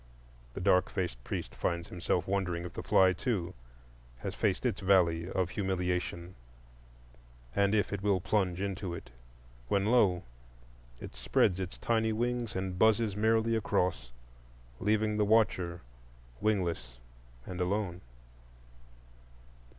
The dark faced priest finds himself wondering if the fly too has faced its Valley of Humiliation, and if it will plunge into it,—when lo! it spreads its tiny wings and buzzes merrily across, leaving the watcher wingless and alone.